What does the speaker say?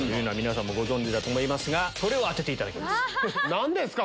何ですか？